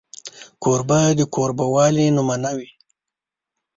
کوربه د کوربهوالي نمونه وي.